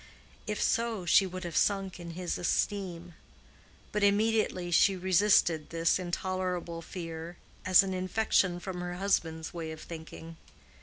If so, she would have sunk in his esteem. But immediately she resisted this intolerable fear as an infection from her husband's way of thinking.